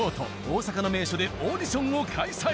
大阪の名所でオーディションを開催！